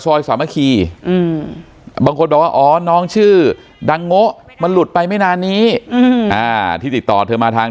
สวรรค์ศาสตร์มาคีย์บังคลไว้นองชื่อดังโงะมันหลุดไปไม่นานนี้ที่ติดต่อเธอมาทาง